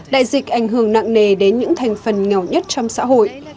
đại dịch ảnh hưởng nặng nề đến những thành phần nghèo nhất trong xã hội